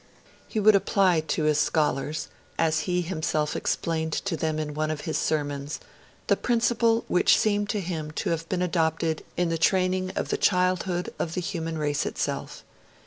He would apply to his scholars, as he himself explained to them in one of his sermons, 'the principle which seemed to him to have been adopted in the training of the childhood of the human race itself'.